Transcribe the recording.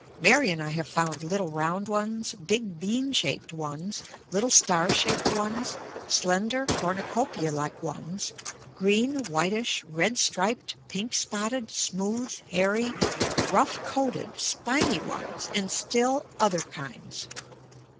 Mary and I have found little round ones, big bean shaped ones, little star shaped ones, slender cornucopia like ones, green, whitish, red striped, pink spotted, smooth, hairy, rough coated, spiny ones, and still other kinds.